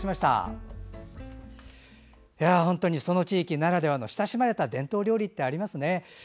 本当にその地域ならではの親しまれた伝統料理ってありますね。